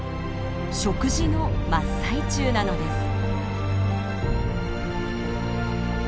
食事の真っ最中なのです。